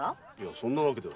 そんなわけでは。